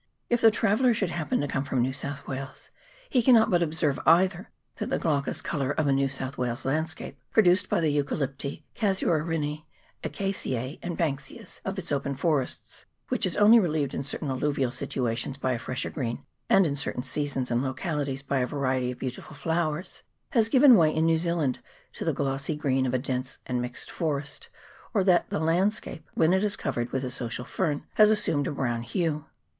If the traveller should happen to come from New South Wales, he cannot but observe either that the glaucous colour of a New South Wales landscape, produced by the Eucalypti, Casuarineae, Acacias, and Banksias of its open forests, which is only relieved in certain alluvial situations by a fresher green, and in certain seasons and localities by a variety of beautiful flowers, has given way in New Zea land to the glossy green of a dense and mixed forest, or that the landscape, when it is covered with the social fern, has assumed a brown hue.